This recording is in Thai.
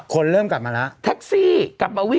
คนเริ่มกลับมาแล้ว